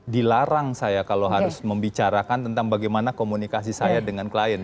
dilarang saya kalau harus membicarakan tentang bagaimana komunikasi saya dengan klien